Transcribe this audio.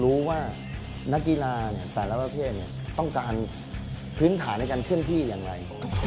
รู้ว่านักกีฬาแต่ละประเภทต้องการพื้นฐานในการเคลื่อนที่อย่างไร